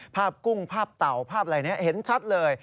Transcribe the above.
ภาพกุ้งภาพเต่าภาพอะไรอย่างนี้เห็นชัดเลย